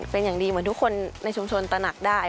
เป็นอย่างดีเหมือนทุกคนในชุมชนตระหนักได้